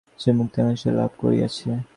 সেই মুক্তি এখন সে লাভ করিয়াছে।